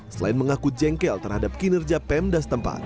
selain mengaku jengkel terhadap kinerja pemdas tempat